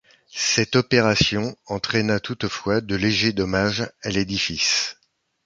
Cette opération entraîna toutefois de légers dommages à l'édifice.